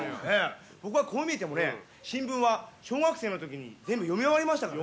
僕はこう見えてもね新聞は小学生の時に全部読み終わりましたから。